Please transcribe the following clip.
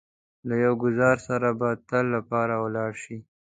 له يو ګوزار سره به د تل لپاره ولاړ شئ.